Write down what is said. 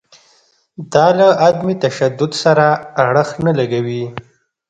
دا له عدم تشدد سره اړخ نه لګوي.